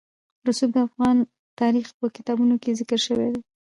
رسوب د افغان تاریخ په کتابونو کې ذکر شوی دي.